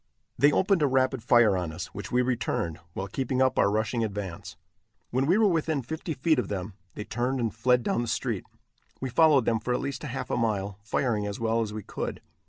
They opened a rapid fire on us, which we returned, while keeping up our rushing advance. When we were within fifty feet of them, they turned and fled down the street. We followed them for at least half a mile, firing as well as we could.